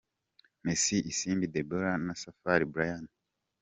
Miss Isimbi Deborah na Safari Bryan.